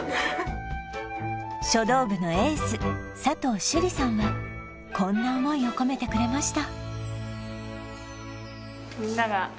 書道部のエース・佐藤朱莉さんはこんな思いを込めてくれました